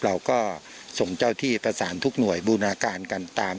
เราก็ส่งเจ้าที่ประสานทุกหน่วยบูรณาการกันตาม